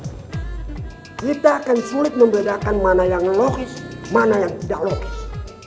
kita akan sulit membedakan mana yang logis mana yang tidak logis